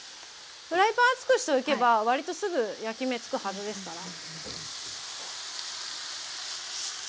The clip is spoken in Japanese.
フライパン熱くしておけば割とすぐ焼き目付くはずですから。